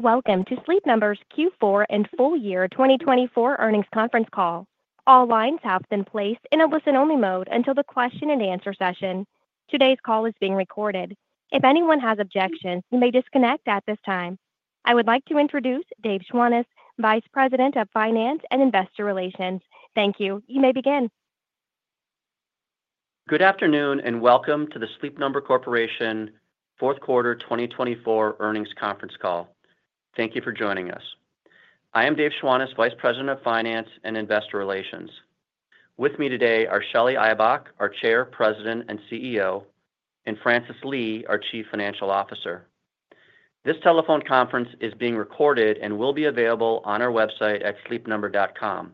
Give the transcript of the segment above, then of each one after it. You're welcome to Sleep Number's Q4 and full year 2024 earnings conference call. All lines have been placed in a listen-only mode until the question-and-answer session. Today's call is being recorded. If anyone has objections, you may disconnect at this time. I would like to introduce Dave Schwantes, Vice President of Finance and Investor Relations. Thank you. You may begin. Good afternoon and welcome to the Sleep Number Corporation Fourth Quarter 2024 earnings conference call. Thank you for joining us. I am Dave Schwantes, Vice President of Finance and Investor Relations. With me today are Shelly Ibach, our Chair, President, and CEO, and Francis Lee, our Chief Financial Officer. This telephone conference is being recorded and will be available on our website at sleepnumber.com.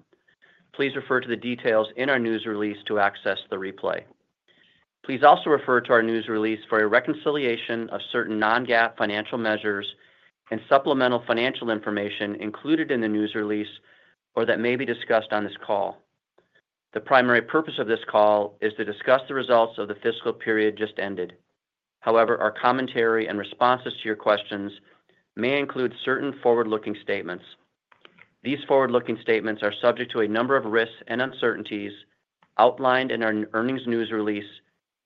Please refer to the details in our news release to access the replay. Please also refer to our news release for a reconciliation of certain non-GAAP financial measures and supplemental financial information included in the news release or that may be discussed on this call. The primary purpose of this call is to discuss the results of the fiscal period just ended. However, our commentary and responses to your questions may include certain forward-looking statements. These forward-looking statements are subject to a number of risks and uncertainties outlined in our earnings news release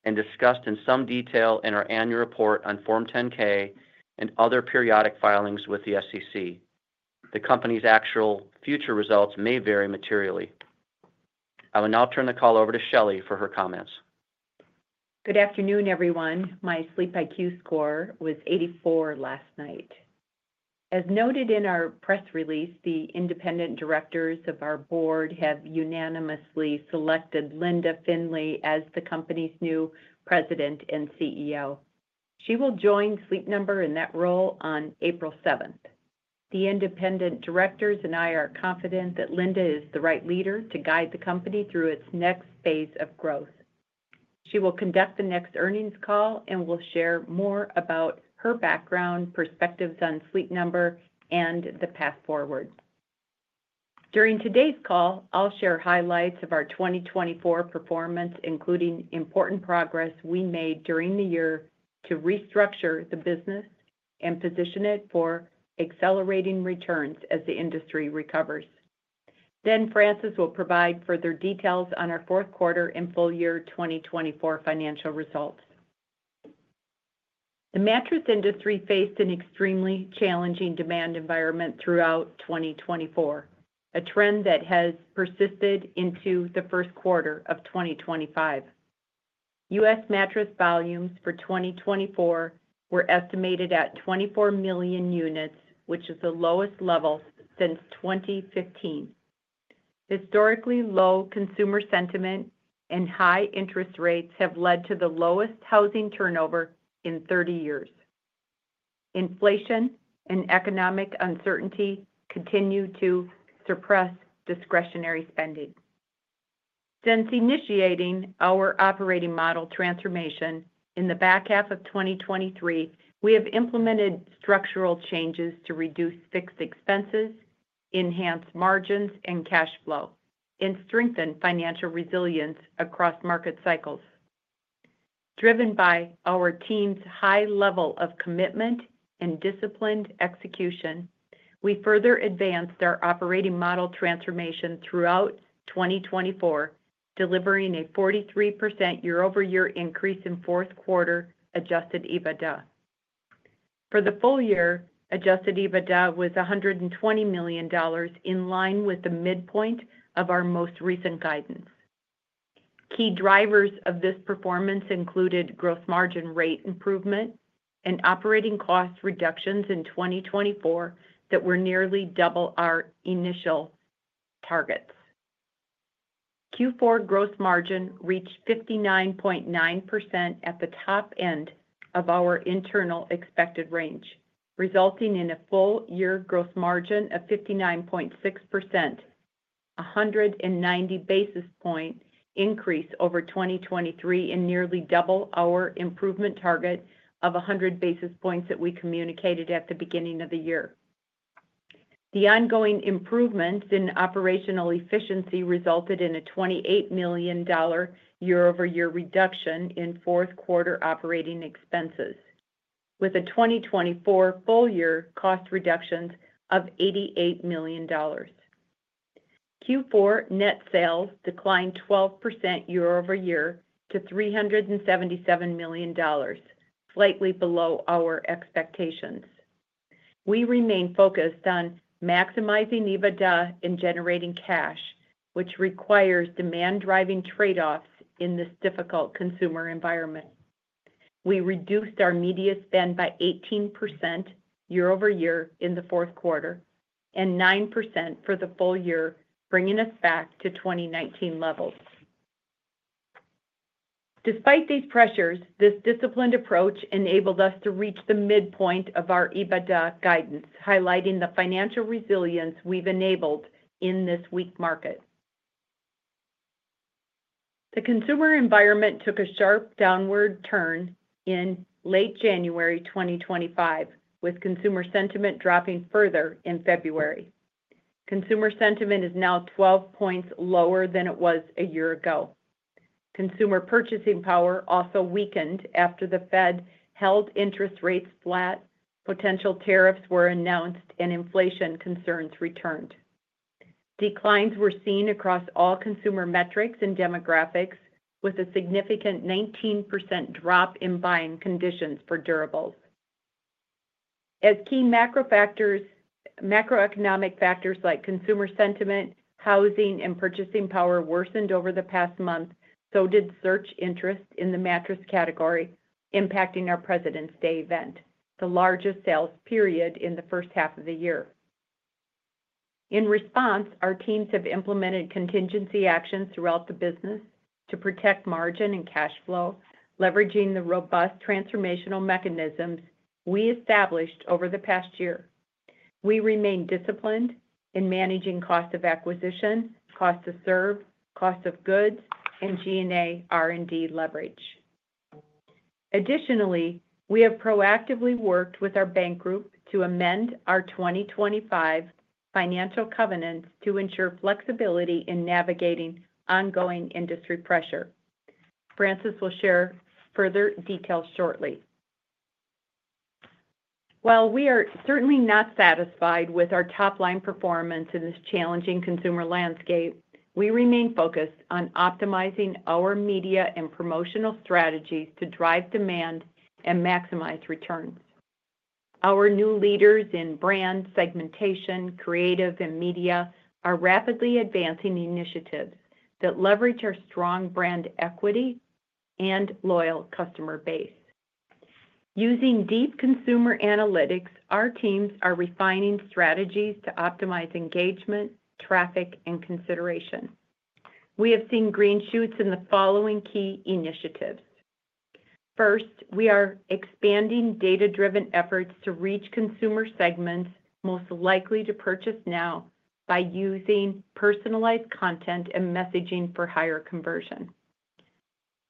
and discussed in some detail in our annual report on Form 10-K and other periodic filings with the SEC. The company's actual future results may vary materially. I will now turn the call over to Shelly for her comments. Good afternoon, everyone. My SleepIQ score was 84 last night. As noted in our press release, the independent directors of our board have unanimously selected Linda Findley as the company's new President and CEO. She will join Sleep Number in that role on April 7. The independent directors and I are confident that Linda is the right leader to guide the company through its next phase of growth. She will conduct the next earnings call and will share more about her background, perspectives on Sleep Number, and the path forward. During today's call, I'll share highlights of our 2024 performance, including important progress we made during the year to restructure the business and position it for accelerating returns as the industry recovers. Francis will provide further details on our fourth quarter and full year 2024 financial results. The mattress industry faced an extremely challenging demand environment throughout 2024, a trend that has persisted into the first quarter of 2025. U.S. mattress volumes for 2024 were estimated at 24 million units, which is the lowest level since 2015. Historically low consumer sentiment and high interest rates have led to the lowest housing turnover in 30 years. Inflation and economic uncertainty continue to suppress discretionary spending. Since initiating our operating model transformation in the back half of 2023, we have implemented structural changes to reduce fixed expenses, enhance margins and cash flow, and strengthen financial resilience across market cycles. Driven by our team's high level of commitment and disciplined execution, we further advanced our operating model transformation throughout 2024, delivering a 43% year-over-year increase in fourth quarter adjusted EBITDA. For the full year, adjusted EBITDA was $120 million, in line with the midpoint of our most recent guidance. Key drivers of this performance included gross margin rate improvement and operating cost reductions in 2024 that were nearly double our initial targets. Q4 gross margin reached 59.9% at the top end of our internal expected range, resulting in a full year gross margin of 59.6%, a 190 basis point increase over 2023, and nearly double our improvement target of 100 basis points that we communicated at the beginning of the year. The ongoing improvements in operational efficiency resulted in a $28 million year-over-year reduction in fourth quarter operating expenses, with a 2024 full year cost reductions of $88 million. Q4 net sales declined 12% year-over-year to $377 million, slightly below our expectations. We remain focused on maximizing EBITDA and generating cash, which requires demand-driving trade-offs in this difficult consumer environment. We reduced our media spend by 18% year-over-year in the fourth quarter and 9% for the full year, bringing us back to 2019 levels. Despite these pressures, this disciplined approach enabled us to reach the midpoint of our EBITDA guidance, highlighting the financial resilience we've enabled in this weak market. The consumer environment took a sharp downward turn in late January 2025, with consumer sentiment dropping further in February. Consumer sentiment is now 12 points lower than it was a year ago. Consumer purchasing power also weakened after the Fed held interest rates flat, potential tariffs were announced, and inflation concerns returned. Declines were seen across all consumer metrics and demographics, with a significant 19% drop in buying conditions for durables. As key macroeconomic factors like consumer sentiment, housing, and purchasing power worsened over the past month, so did search interest in the mattress category, impacting our Presidents' Day event, the largest sales period in the first half of the year. In response, our teams have implemented contingency actions throughout the business to protect margin and cash flow, leveraging the robust transformational mechanisms we established over the past year. We remain disciplined in managing cost of acquisition, cost of serve, cost of goods, and G&A R&D leverage. Additionally, we have proactively worked with our bank group to amend our 2025 financial covenants to ensure flexibility in navigating ongoing industry pressure. Francis will share further details shortly. While we are certainly not satisfied with our top-line performance in this challenging consumer landscape, we remain focused on optimizing our media and promotional strategies to drive demand and maximize returns. Our new leaders in brand segmentation, creative, and media are rapidly advancing initiatives that leverage our strong brand equity and loyal customer base. Using deep consumer analytics, our teams are refining strategies to optimize engagement, traffic, and consideration. We have seen green shoots in the following key initiatives. First, we are expanding data-driven efforts to reach consumer segments most likely to purchase now by using personalized content and messaging for higher conversion.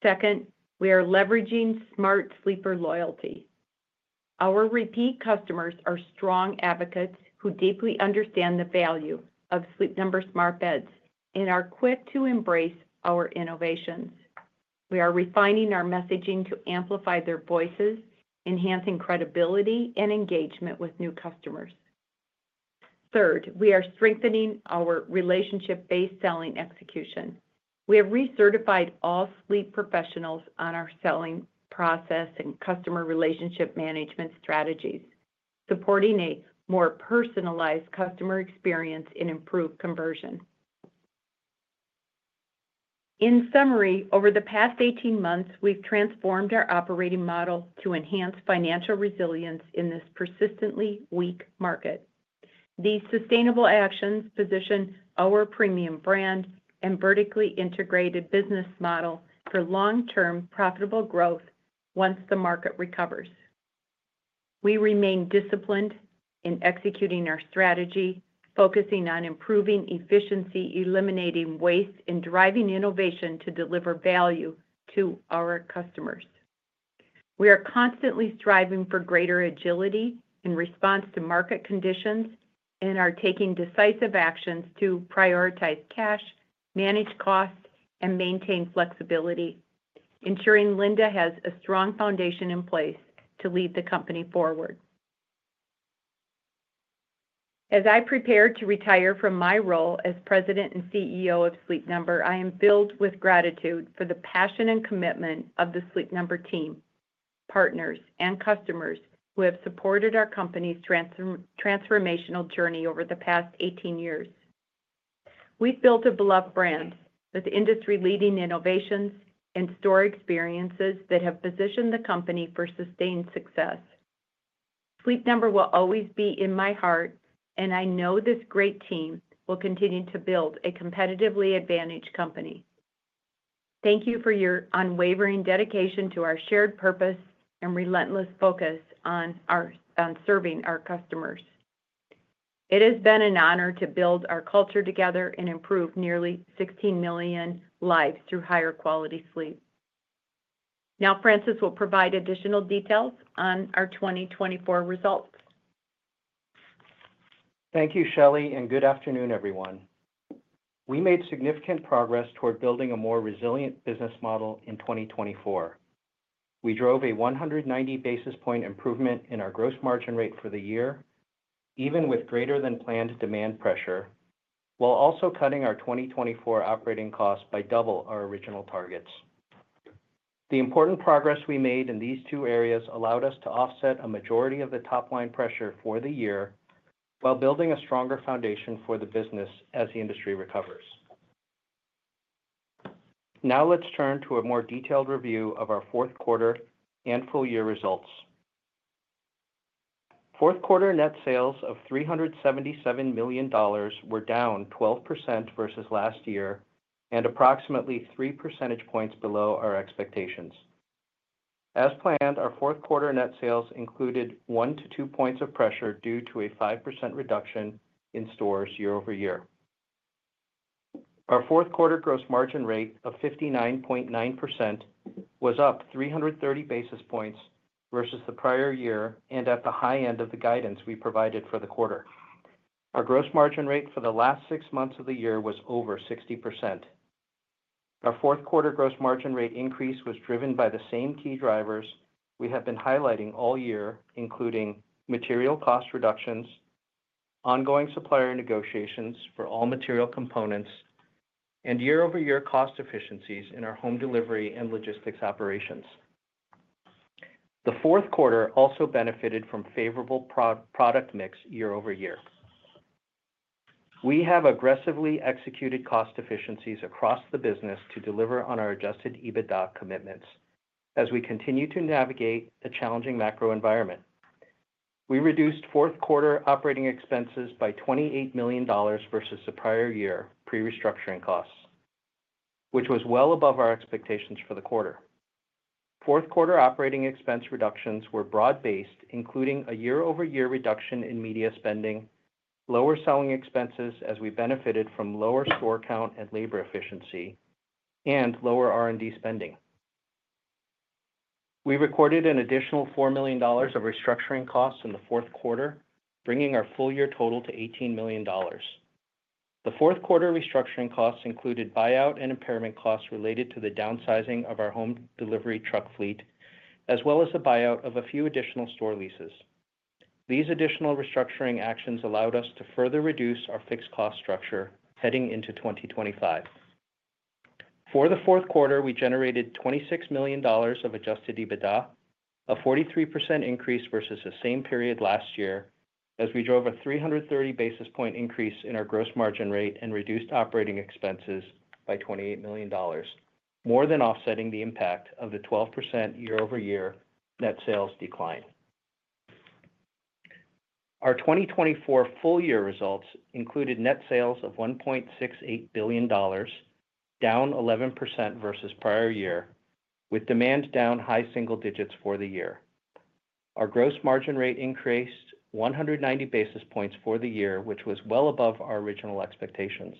Second, we are leveraging Smart Sleeper loyalty. Our repeat customers are strong advocates who deeply understand the value of Sleep Number Smart Beds and are quick to embrace our innovations. We are refining our messaging to amplify their voices, enhancing credibility and engagement with new customers. Third, we are strengthening our relationship-based selling execution. We have recertified all sleep professionals on our selling process and customer relationship management strategies, supporting a more personalized customer experience and improved conversion. In summary, over the past 18 months, we've transformed our operating model to enhance financial resilience in this persistently weak market. These sustainable actions position our premium brand and vertically integrated business model for long-term profitable growth once the market recovers. We remain disciplined in executing our strategy, focusing on improving efficiency, eliminating waste, and driving innovation to deliver value to our customers. We are constantly striving for greater agility in response to market conditions and are taking decisive actions to prioritize cash, manage costs, and maintain flexibility, ensuring Linda has a strong foundation in place to lead the company forward. As I prepare to retire from my role as President and CEO of Sleep Number, I am filled with gratitude for the passion and commitment of the Sleep Number team, partners, and customers who have supported our company's transformational journey over the past 18 years. We've built a beloved brand with industry-leading innovations and store experiences that have positioned the company for sustained success. Sleep Number will always be in my heart, and I know this great team will continue to build a competitively advantaged company. Thank you for your unwavering dedication to our shared purpose and relentless focus on serving our customers. It has been an honor to build our culture together and improve nearly 16 million lives through higher quality sleep. Now, Francis will provide additional details on our 2024 results. Thank you, Shelly, and good afternoon, everyone. We made significant progress toward building a more resilient business model in 2024. We drove a 190 basis point improvement in our gross margin rate for the year, even with greater than planned demand pressure, while also cutting our 2024 operating costs by double our original targets. The important progress we made in these two areas allowed us to offset a majority of the top-line pressure for the year while building a stronger foundation for the business as the industry recovers. Now let's turn to a more detailed review of our fourth quarter and full year results. Fourth quarter net sales of $377 million were down 12% versus last year and approximately 3 percentage points below our expectations. As planned, our fourth quarter net sales included one to two points of pressure due to a 5% reduction in stores year-over-year. Our fourth quarter gross margin rate of 59.9% was up 330 basis points versus the prior year and at the high end of the guidance we provided for the quarter. Our gross margin rate for the last six months of the year was over 60%. Our fourth quarter gross margin rate increase was driven by the same key drivers we have been highlighting all year, including material cost reductions, ongoing supplier negotiations for all material components, and year-over-year cost efficiencies in our home delivery and logistics operations. The fourth quarter also benefited from favorable product mix year-over-year. We have aggressively executed cost efficiencies across the business to deliver on our adjusted EBITDA commitments as we continue to navigate the challenging macro environment. We reduced fourth quarter operating expenses by $28 million versus the prior year pre-restructuring costs, which was well above our expectations for the quarter. Fourth quarter operating expense reductions were broad-based, including a year-over-year reduction in media spending, lower selling expenses as we benefited from lower store count and labor efficiency, and lower R&D spending. We recorded an additional $4 million of restructuring costs in the fourth quarter, bringing our full year total to $18 million. The fourth quarter restructuring costs included buyout and impairment costs related to the downsizing of our home delivery truck fleet, as well as a buyout of a few additional store leases. These additional restructuring actions allowed us to further reduce our fixed cost structure heading into 2025. For the fourth quarter, we generated $26 million of adjusted EBITDA, a 43% increase versus the same period last year, as we drove a 330 basis point increase in our gross margin rate and reduced operating expenses by $28 million, more than offsetting the impact of the 12% year-over-year net sales decline. Our 2024 full year results included net sales of $1.68 billion, down 11% versus prior year, with demand down high single digits for the year. Our gross margin rate increased 190 basis points for the year, which was well above our original expectations.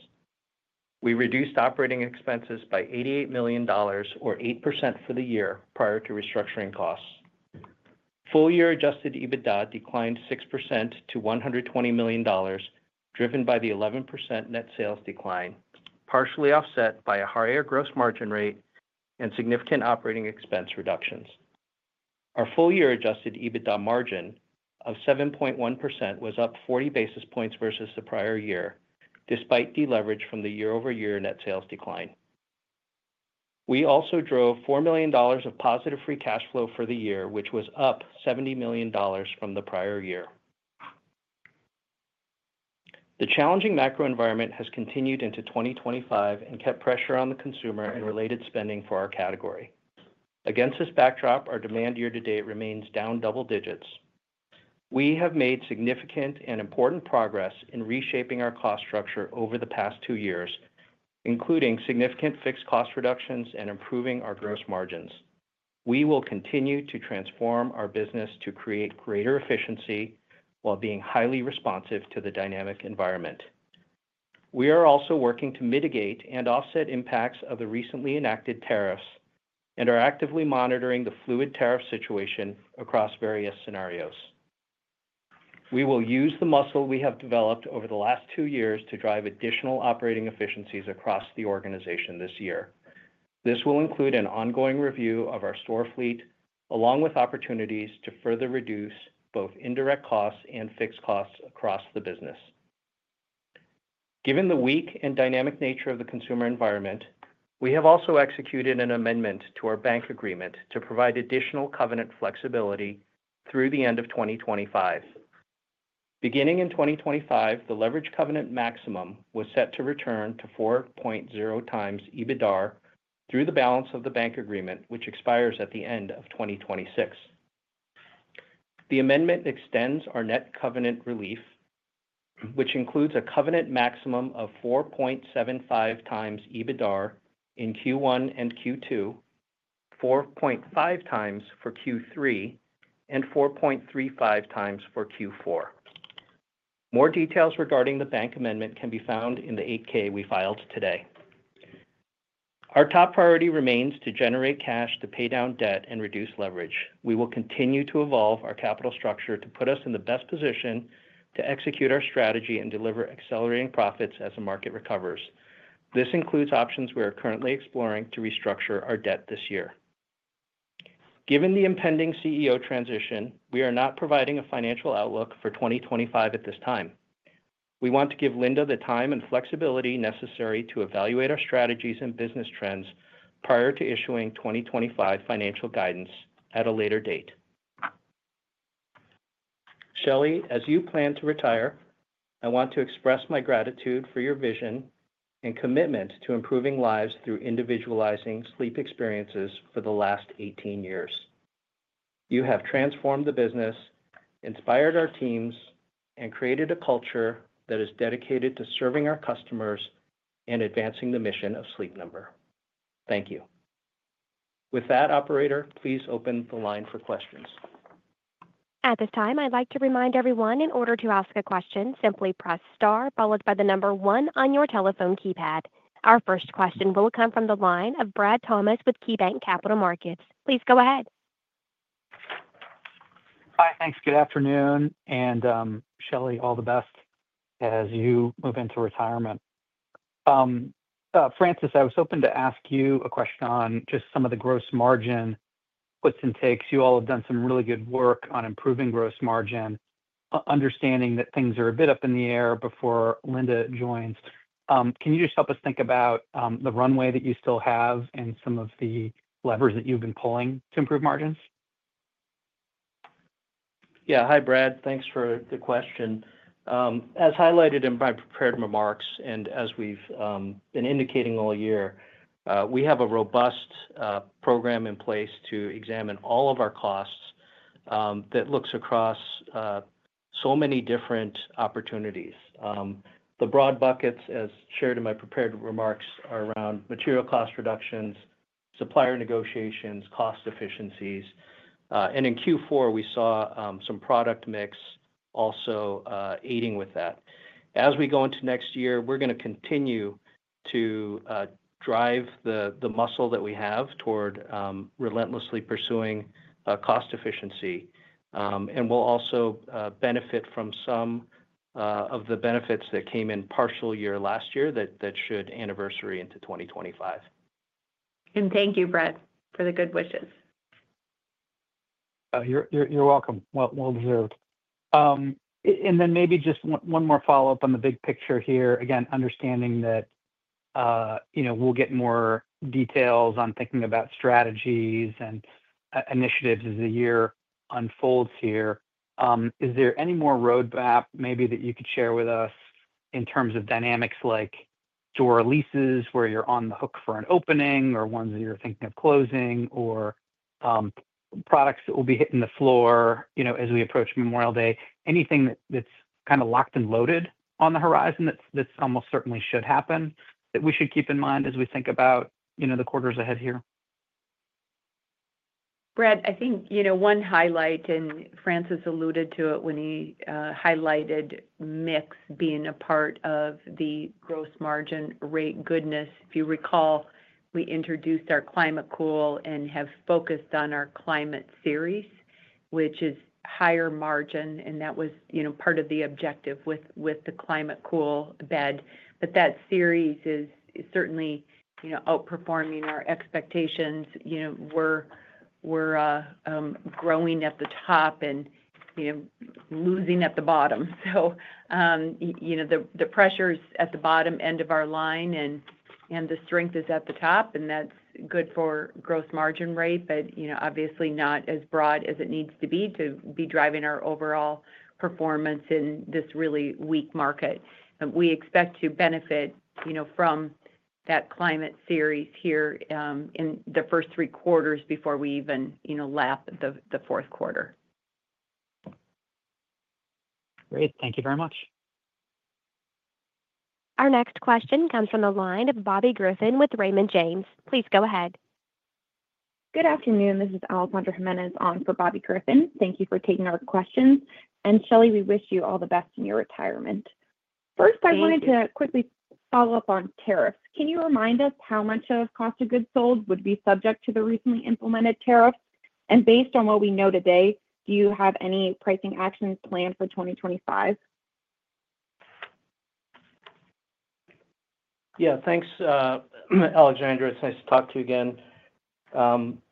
We reduced operating expenses by $88 million, or 8% for the year prior to restructuring costs. Full year adjusted EBITDA declined 6% to $120 million, driven by the 11% net sales decline, partially offset by a higher gross margin rate and significant operating expense reductions. Our full year adjusted EBITDA margin of 7.1% was up 40 basis points versus the prior year, despite deleverage from the year-over-year net sales decline. We also drove $4 million of positive free cash flow for the year, which was up $70 million from the prior year. The challenging macro environment has continued into 2025 and kept pressure on the consumer and related spending for our category. Against this backdrop, our demand year-to-date remains down double digits. We have made significant and important progress in reshaping our cost structure over the past two years, including significant fixed cost reductions and improving our gross margins. We will continue to transform our business to create greater efficiency while being highly responsive to the dynamic environment. We are also working to mitigate and offset impacts of the recently enacted tariffs and are actively monitoring the fluid tariff situation across various scenarios. We will use the muscle we have developed over the last two years to drive additional operating efficiencies across the organization this year. This will include an ongoing review of our store fleet, along with opportunities to further reduce both indirect costs and fixed costs across the business. Given the weak and dynamic nature of the consumer environment, we have also executed an amendment to our bank agreement to provide additional covenant flexibility through the end of 2025. Beginning in 2025, the leverage covenant maximum was set to return to 4.0x EBITDA through the balance of the bank agreement, which expires at the end of 2026. The amendment extends our net covenant relief, which includes a covenant maximum of 4.75x EBITDA in Q1 and Q2, 4.5x for Q3, and 4.35x for Q4. More details regarding the bank amendment can be found in the 8-K we filed today. Our top priority remains to generate cash to pay down debt and reduce leverage. We will continue to evolve our capital structure to put us in the best position to execute our strategy and deliver accelerating profits as the market recovers. This includes options we are currently exploring to restructure our debt this year. Given the impending CEO transition, we are not providing a financial outlook for 2025 at this time. We want to give Linda the time and flexibility necessary to evaluate our strategies and business trends prior to issuing 2025 financial guidance at a later date. Shelly, as you plan to retire, I want to express my gratitude for your vision and commitment to improving lives through individualizing sleep experiences for the last 18 years. You have transformed the business, inspired our teams, and created a culture that is dedicated to serving our customers and advancing the mission of Sleep Number. Thank you. With that, Operator, please open the line for questions. At this time, I'd like to remind everyone in order to ask a question, simply press star followed by the number one on your telephone keypad. Our first question will come from the line of Brad Thomas with KeyBanc Capital Markets. Please go ahead. Hi, thanks. Good afternoon. Shelly, all the best as you move into retirement. Francis, I was hoping to ask you a question on just some of the gross margin, what intakes. You all have done some really good work on improving gross margin, understanding that things are a bit up in the air before Linda joins. Can you just help us think about the runway that you still have and some of the levers that you've been pulling to improve margins? Yeah. Hi, Brad. Thanks for the question. As highlighted in my prepared remarks and as we've been indicating all year, we have a robust program in place to examine all of our costs that looks across so many different opportunities. The broad buckets, as shared in my prepared remarks, are around material cost reductions, supplier negotiations, cost efficiencies. In Q4, we saw some product mix also aiding with that. As we go into next year, we're going to continue to drive the muscle that we have toward relentlessly pursuing cost efficiency. We'll also benefit from some of the benefits that came in partial year last year that should anniversary into 2025. Thank you, Brad, for the good wishes. You're welcome. Well deserved. Maybe just one more follow-up on the big picture here. Again, understanding that we'll get more details on thinking about strategies and initiatives as the year unfolds here. Is there any more roadmap maybe that you could share with us in terms of dynamics like store leases where you're on the hook for an opening or ones that you're thinking of closing or products that will be hitting the floor as we approach Memorial Day? Anything that's kind of locked and loaded on the horizon that almost certainly should happen that we should keep in mind as we think about the quarters ahead here? Brad, I think one highlight, and Francis alluded to it when he highlighted mix being a part of the gross margin rate goodness. If you recall, we introduced our ClimateCool and have focused on our Climate Series, which is higher margin, and that was part of the objective with the ClimateCool bed. That series is certainly outperforming our expectations. We're growing at the top and losing at the bottom. The pressure is at the bottom end of our line, and the strength is at the top, and that's good for gross margin rate, but obviously not as broad as it needs to be to be driving our overall performance in this really weak market. We expect to benefit from that Climate Series here in the first three quarters before we even lap the fourth quarter. Great. Thank you very much. Our next question comes from the line of Bobby Griffin with Raymond James. Please go ahead. Good afternoon. This is Alessandra Jimenez on for Bobby Griffin. Thank you for taking our questions. Shelly, we wish you all the best in your retirement. First, I wanted to quickly follow up on tariffs. Can you remind us how much of cost of goods sold would be subject to the recently implemented tariffs? Based on what we know today, do you have any pricing actions planned for 2025? Yeah. Thanks, Alessandra. It's nice to talk to you again.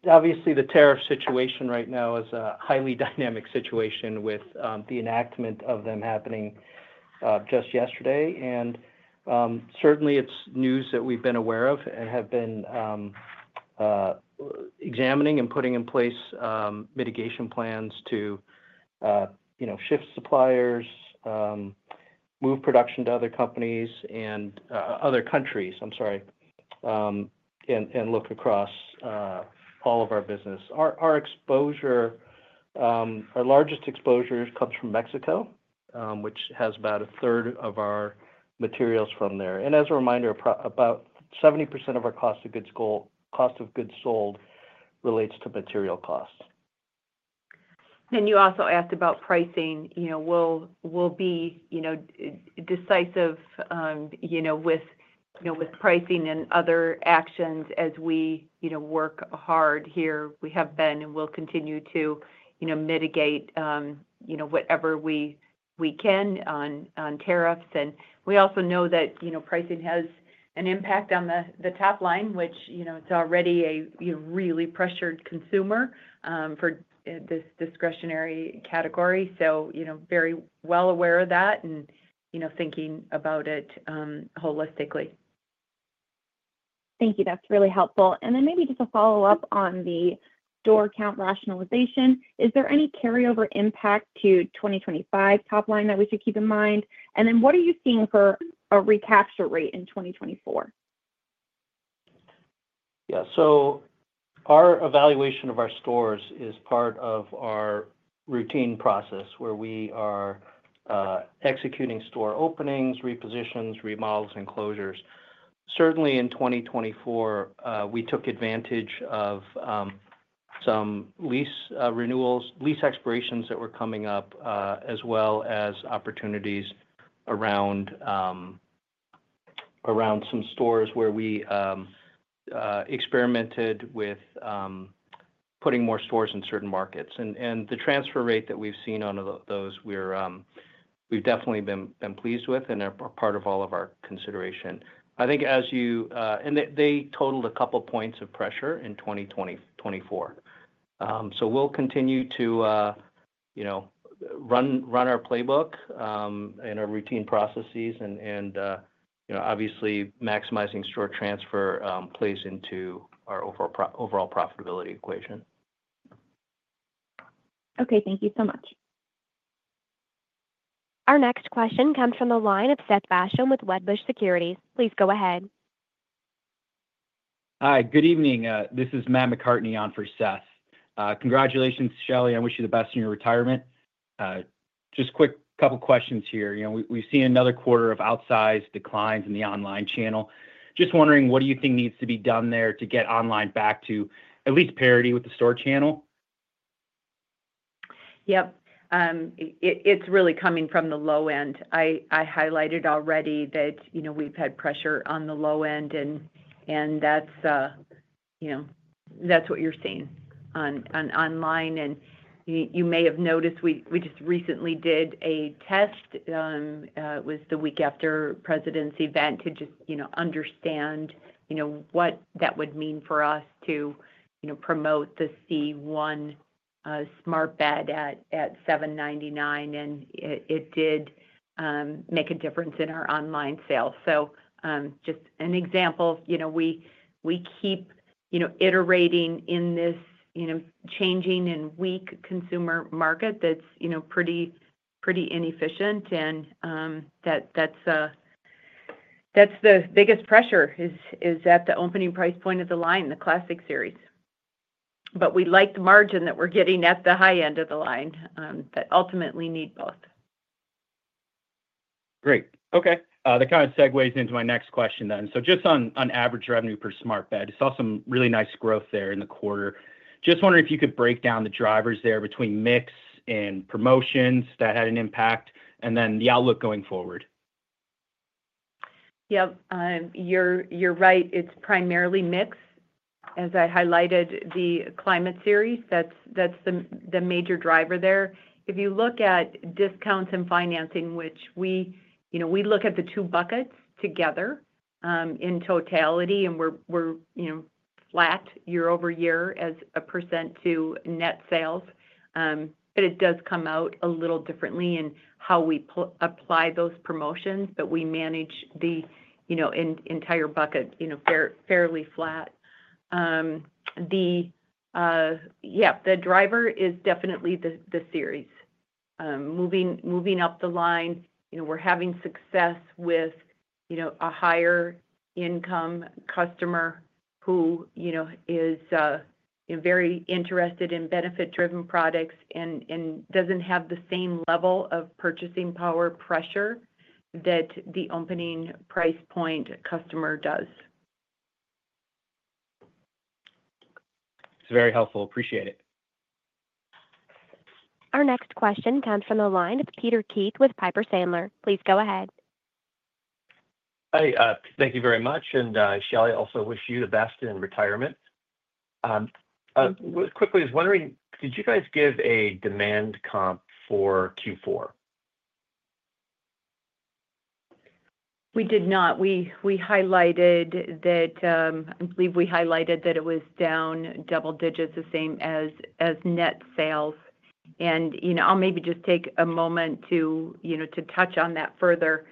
Obviously, the tariff situation right now is a highly dynamic situation with the enactment of them happening just yesterday. Certainly, it's news that we've been aware of and have been examining and putting in place mitigation plans to shift suppliers, move production to other companies and other countries, I'm sorry, and look across all of our business. Our largest exposure comes from Mexico, which has about a third of our materials from there. As a reminder, about 70% of our cost of goods sold relates to material costs. You also asked about pricing. We'll be decisive with pricing and other actions as we work hard here. We have been and will continue to mitigate whatever we can on tariffs. We also know that pricing has an impact on the top line, which it's already a really pressured consumer for this discretionary category. Very well aware of that and thinking about it holistically. Thank you. That's really helpful. Maybe just a follow-up on the store count rationalization. Is there any carryover impact to 2025 top line that we should keep in mind? What are you seeing for a recapture rate in 2024? Yeah. Our evaluation of our stores is part of our routine process where we are executing store openings, repositions, remodels, and closures. Certainly, in 2024, we took advantage of some lease expirations that were coming up as well as opportunities around some stores where we experimented with putting more stores in certain markets. The transfer rate that we've seen on those, we've definitely been pleased with and are part of all of our consideration. I think as you and they totaled a couple of points of pressure in 2024. We'll continue to run our playbook and our routine processes and obviously maximizing store transfer plays into our overall profitability equation. Okay. Thank you so much. Our next question comes from the line of Seth Basham with Wedbush Securities. Please go ahead. Hi. Good evening. This is Matt McCartney on for Seth. Congratulations, Shelly. I wish you the best in your retirement. Just quick couple of questions here. We've seen another quarter of outsized declines in the online channel. Just wondering, what do you think needs to be done there to get online back to at least parity with the store channel? Yep. It's really coming from the low end. I highlighted already that we've had pressure on the low end, and that's what you're seeing online. You may have noticed we just recently did a test. It was the week after Presidents' event to just understand what that would mean for us to promote the c1 Smart Bed at $799. It did make a difference in our online sales. Just an example, we keep iterating in this changing and weak consumer market that's pretty inefficient. The biggest pressure is at the opening price point of the line, the Classic Series. We like the margin that we're getting at the high end of the line that ultimately need both. Great. Okay. That kind of segues into my next question then. Just on average revenue per Smart Bed, you saw some really nice growth there in the quarter. Just wondering if you could break down the drivers there between mix and promotions that had an impact and then the outlook going forward. Yep. You're right. It's primarily mix. As I highlighted, the Climate Series, that's the major driver there. If you look at discounts and financing, which we look at the two buckets together in totality, we're flat year over year as a % to net sales. It does come out a little differently in how we apply those promotions, but we manage the entire bucket fairly flat. Yeah. The driver is definitely the series. Moving up the line, we're having success with a higher income customer who is very interested in benefit-driven products and doesn't have the same level of purchasing power pressure that the opening price point customer does. It's very helpful. Appreciate it. Our next question comes from the line of Peter Keith with Piper Sandler. Please go ahead. Hi. Thank you very much. Shelly, I also wish you the best in retirement. Quickly, I was wondering, did you guys give a demand comp for Q4? We did not. We highlighted that. I believe we highlighted that it was down double digits, the same as net sales. I'll maybe just take a moment to touch on that further.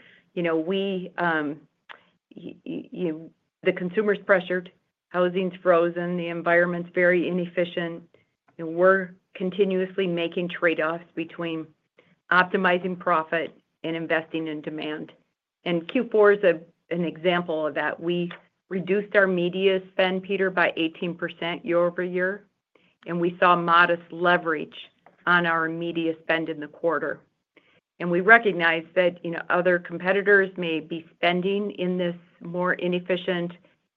The consumer's pressured. Housing's frozen. The environment's very inefficient. We're continuously making trade-offs between optimizing profit and investing in demand. Q4 is an example of that. We reduced our media spend, Peter, by 18% year over year. We saw modest leverage on our media spend in the quarter. We recognize that other competitors may be spending in this more inefficient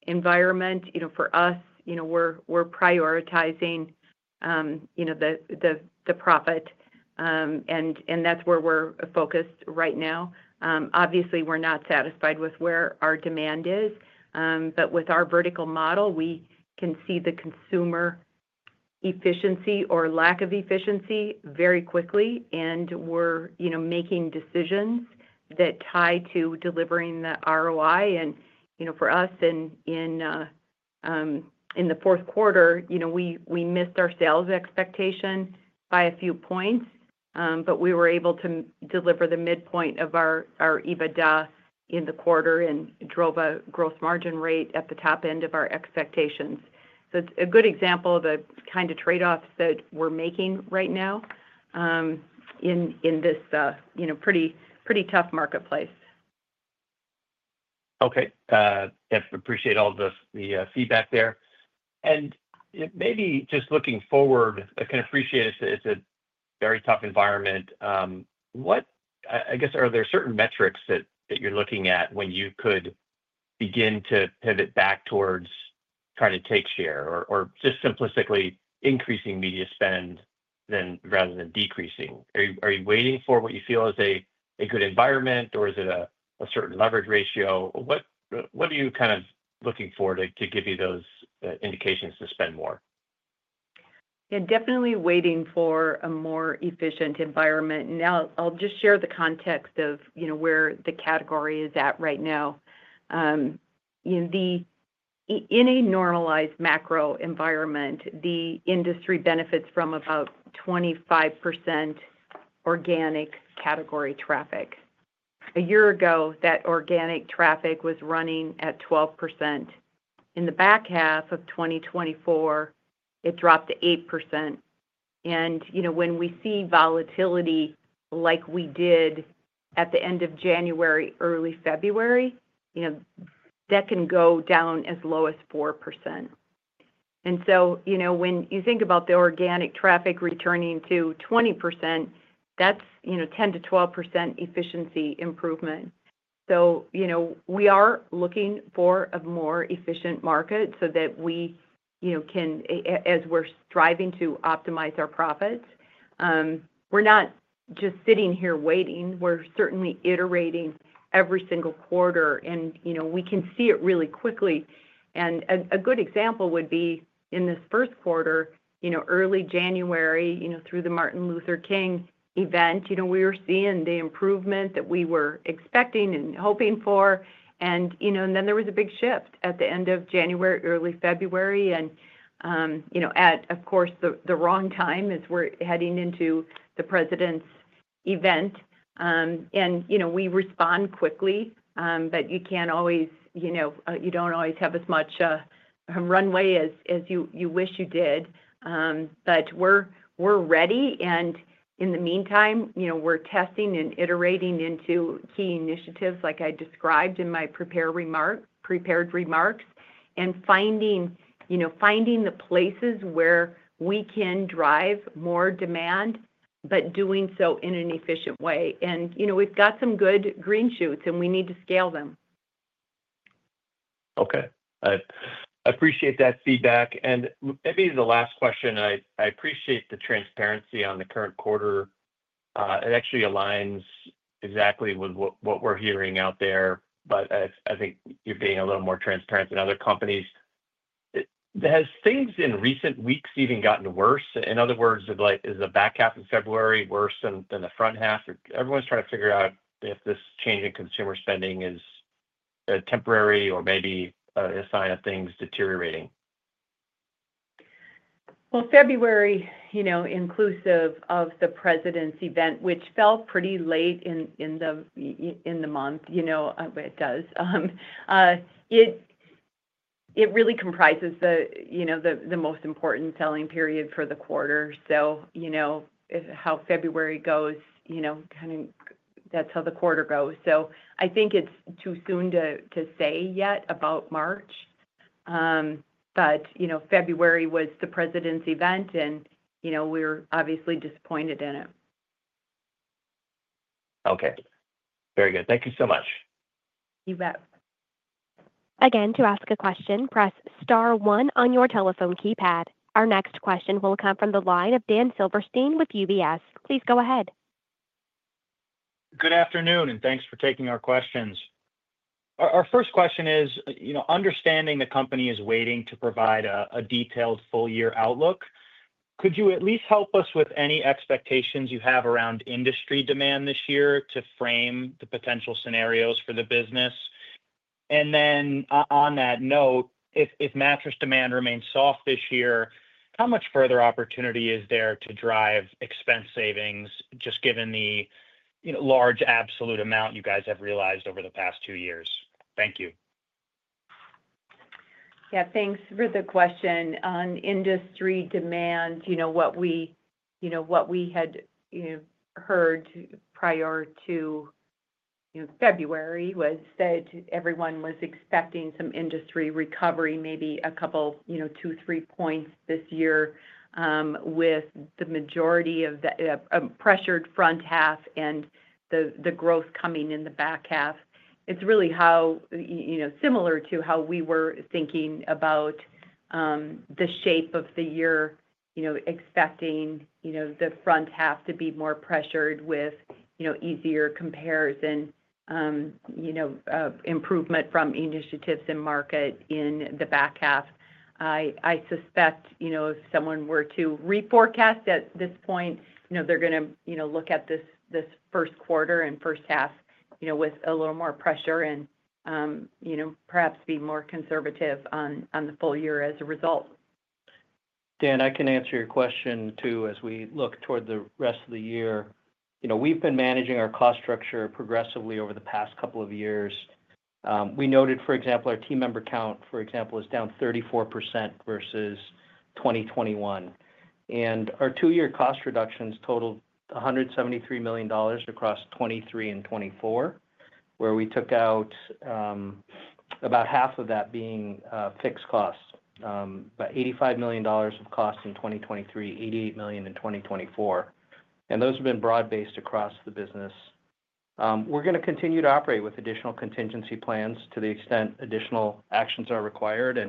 environment. For us, we're prioritizing the profit. That's where we're focused right now. Obviously, we're not satisfied with where our demand is. With our vertical model, we can see the consumer efficiency or lack of efficiency very quickly. We're making decisions that tie to delivering the ROI. For us, in the fourth quarter, we missed our sales expectation by a few points. However, we were able to deliver the midpoint of our EBITDA in the quarter and drove a gross margin rate at the top end of our expectations. It is a good example of the kind of trade-offs that we are making right now in this pretty tough marketplace. Okay. Yep. Appreciate all the feedback there. Maybe just looking forward, I can appreciate it's a very tough environment. I guess, are there certain metrics that you're looking at when you could begin to pivot back towards trying to take share or just simplistically increasing media spend rather than decreasing? Are you waiting for what you feel is a good environment, or is it a certain leverage ratio? What are you kind of looking for to give you those indications to spend more? Yeah. Definitely waiting for a more efficient environment. Now, I'll just share the context of where the category is at right now. In a normalized macro environment, the industry benefits from about 25% organic category traffic. A year ago, that organic traffic was running at 12%. In the back half of 2024, it dropped to 8%. When we see volatility like we did at the end of January, early February, that can go down as low as 4%. When you think about the organic traffic returning to 20%, that's 10-12% efficiency improvement. We are looking for a more efficient market so that we can, as we're striving to optimize our profits, we're not just sitting here waiting. We're certainly iterating every single quarter. We can see it really quickly. A good example would be in this first quarter, early January, through the Martin Luther King event, we were seeing the improvement that we were expecting and hoping for. There was a big shift at the end of January, early February, at, of course, the wrong time as we're heading into the Presidents' event. We respond quickly, but you can't always, you don't always have as much runway as you wish you did. We're ready. In the meantime, we're testing and iterating into key initiatives like I described in my prepared remarks and finding the places where we can drive more demand, but doing so in an efficient way. We've got some good green shoots, and we need to scale them. Okay. I appreciate that feedback. Maybe the last question. I appreciate the transparency on the current quarter. It actually aligns exactly with what we're hearing out there. I think you're being a little more transparent than other companies. Has things in recent weeks even gotten worse? In other words, is the back half of February worse than the front half? Everyone's trying to figure out if this change in consumer spending is temporary or maybe a sign of things deteriorating. February, inclusive of the Presidents' event, which fell pretty late in the month, it does. It really comprises the most important selling period for the quarter. So how February goes, kind of that's how the quarter goes. I think it's too soon to say yet about March. February was the Presidents' event, and we were obviously disappointed in it. Okay. Very good. Thank you so much. You bet. Again, to ask a question, press star one on your telephone keypad. Our next question will come from the line of Dan Silverstein with UBS. Please go ahead. Good afternoon, and thanks for taking our questions. Our first question is, understanding the company is waiting to provide a detailed full-year outlook, could you at least help us with any expectations you have around industry demand this year to frame the potential scenarios for the business? On that note, if mattress demand remains soft this year, how much further opportunity is there to drive expense savings just given the large absolute amount you guys have realized over the past two years? Thank you. Yeah. Thanks for the question. On industry demand, what we had heard prior to February was that everyone was expecting some industry recovery, maybe a couple, two, three points this year with the majority of the pressured front half and the growth coming in the back half. It's really similar to how we were thinking about the shape of the year, expecting the front half to be more pressured with easier comparison improvement from initiatives and market in the back half. I suspect if someone were to reforecast at this point, they're going to look at this first quarter and first half with a little more pressure and perhaps be more conservative on the full year as a result. Dan, I can answer your question too as we look toward the rest of the year. We've been managing our cost structure progressively over the past couple of years. We noted, for example, our team member count, for example, is down 34% versus 2021. Our two-year cost reductions totaled $173 million across 2023 and 2024, where we took out about half of that being fixed costs, about $85 million of costs in 2023, $88 million in 2024. Those have been broad-based across the business. We're going to continue to operate with additional contingency plans to the extent additional actions are required.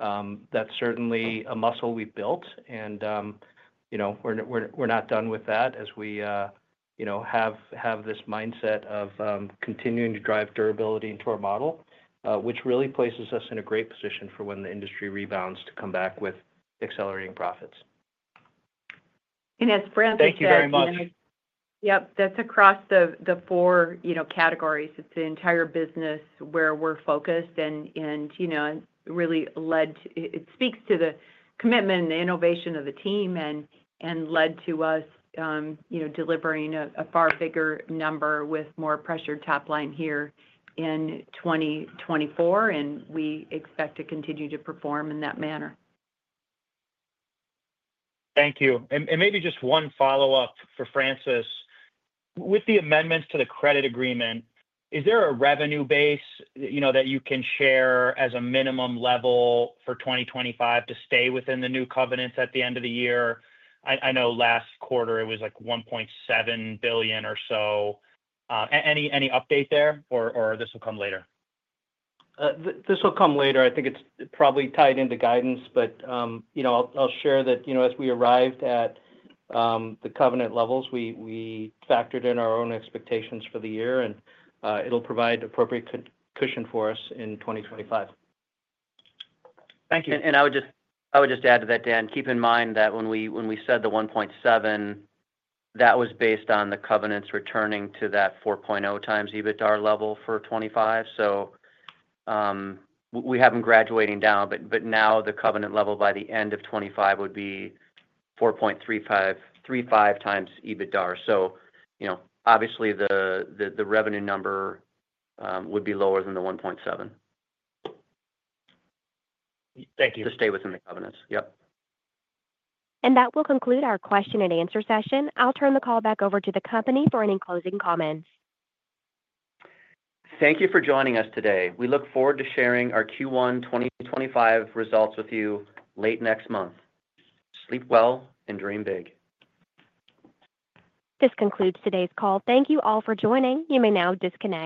That is certainly a muscle we've built. We're not done with that as we have this mindset of continuing to drive durability into our model, which really places us in a great position for when the industry rebounds to come back with accelerating profits. As Francis said. Thank you very much. Yep. That's across the four categories. It's the entire business where we're focused and really led to it speaks to the commitment and the innovation of the team and led to us delivering a far bigger number with more pressured top line here in 2024. We expect to continue to perform in that manner. Thank you. Maybe just one follow-up for Francis. With the amendments to the credit agreement, is there a revenue base that you can share as a minimum level for 2025 to stay within the new covenants at the end of the year? I know last quarter it was like $1.7 billion or so. Any update there, or this will come later? This will come later. I think it's probably tied into guidance. I'll share that as we arrived at the covenant levels, we factored in our own expectations for the year. It will provide appropriate cushion for us in 2025. Thank you. I would just add to that, Dan, keep in mind that when we said the 1.7, that was based on the covenants returning to that 4.0x EBITDA level for 2025. We have them graduating down. Now the covenant level by the end of 2025 would be 4.35x EBITDA. Obviously, the revenue number would be lower than the 1.7 to stay within the covenants. Yep. That will conclude our question and answer session. I'll turn the call back over to the company for any closing comments. Thank you for joining us today. We look forward to sharing our Q1 2025 results with you late next month. Sleep well and dream big. This concludes today's call. Thank you all for joining. You may now disconnect.